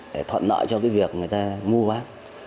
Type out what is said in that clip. để thuận lợi cho cái việc người ta mua bán